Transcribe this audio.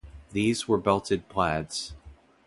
These were belted plaids.